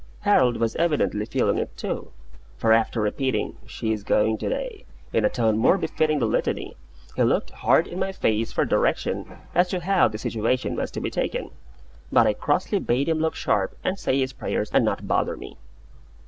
Harold was evidently feeling it too, for after repeating "She's going to day!" in a tone more befitting the Litany, he looked hard in my face for direction as to how the situation was to be taken. But I crossly bade him look sharp and say his prayers and not bother me.